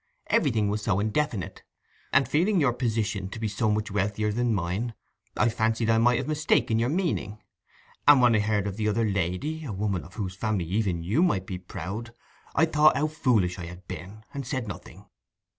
Everything was so indefinite, and feeling your position to be so much wealthier than mine, I fancied I might have mistaken your meaning. And when I heard of the other lady—a woman of whose family even you might be proud—I thought how foolish I had been, and said nothing.